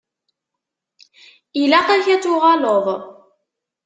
Ilaq-ak ad tuɣaleḍ.